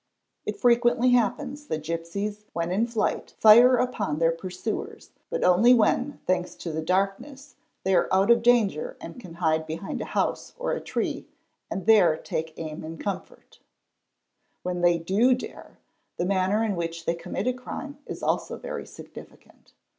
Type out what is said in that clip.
It frequently happens that gipsies ia when in flight fire upon their pursuers but only when, thanks to the >% fi i" :': 23 a : METHODS OF STEALING 365 darkness, they are out of danger and can hide behind a house or a tree and there take aim in comfort. When they do dare, the manner in which they commit a crime is also very significant.